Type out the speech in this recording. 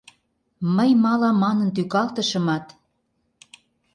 Мый мала манын тӱкалтышымат.